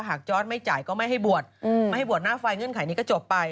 จอร์ดไม่จ่ายก็ไม่ให้บวชไม่ให้บวชหน้าไฟเงื่อนไขนี้ก็จบไป